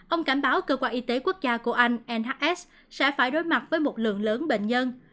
ông cảnh báo cơ quan y tế quốc gia của anh nhs sẽ phải đối mặt với một lượng lớn bệnh nhân